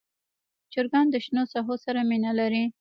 چرګان د شنو ساحو سره مینه لري.